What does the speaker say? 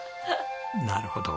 なるほど。